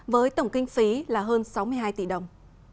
với tổng kinh phí là hơn sáu mươi hai tỷ đồng